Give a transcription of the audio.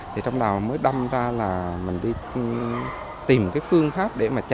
thì trong đầu mới đâm ra là mình đi tìm cái phương pháp để mà chăm sóc mấy cháu